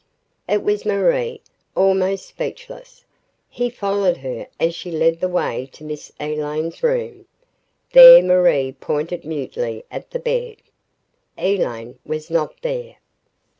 It was Marie, almost speechless. He followed her as she led the way to Miss Elaine's room. There Marie pointed mutely at the bed. Elaine was not there.